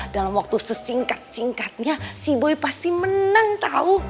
dalam waktu sesingkat singkatnya si boy pasti menang tahu